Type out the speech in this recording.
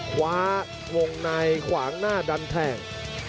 วงในขวางหน้าดันแทง